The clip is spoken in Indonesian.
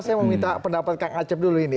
saya mau minta pendapat kang acep dulu ini